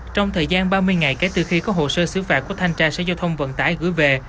trong thời gian ba mươi ngày kể từ khi có hồ sơ xử phạt của thanh tra sở giao thông vận tải gửi về